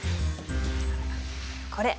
これ。